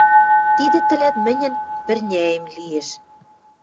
Тидӹ тӹлӓт мӹньӹн пӹрняэм лиэш.